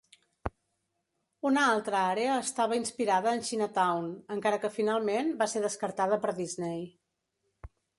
Una altra àrea estava inspirada en Chinatown, encara que finalment va ser descartada per Disney.